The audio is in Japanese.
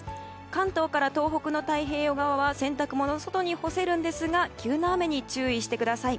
関東から東北の太平洋側は洗濯物を外に干せるんですが急な雨に注意してください。